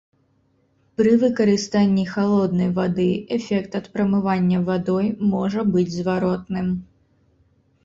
Пры выкарыстанні халоднай вады эфект ад прамывання вадой можа быць зваротным.